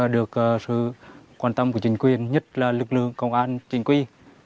được sự quan tâm của chính quyền nhất là lực lượng công an chính quy